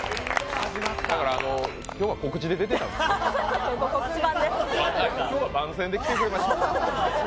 だから、今日は告知で出てたと。今日は番宣で来てくれました。